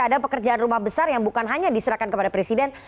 ada pekerjaan rumah besar yang bukan hanya diserahkan kepada presiden